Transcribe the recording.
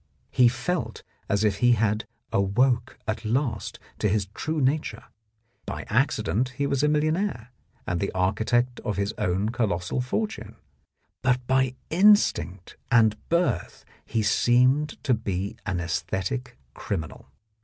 He felt as if he had awoke at last to his true nature; by accident he was a millionaire and the architect of his own colossal fortune, but by instinct and birth he seemed to be an aesthetic criminal.